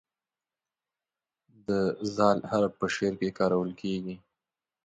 د "ذ" حرف په شعر کې کارول کیږي.